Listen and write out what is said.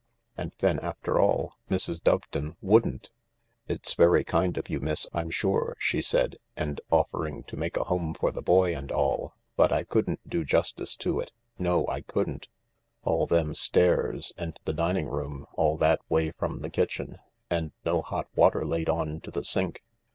And then after all Mrs. Doveton wouldn't I " It's very kind of you, miss, I'm sure," she said, "and offering to make a home for the boy and all, but I couldn't do justice to it — no, I couldn't. All them stairs, and the dining room all that way from the kitchen, and no hot water laid on to the sink.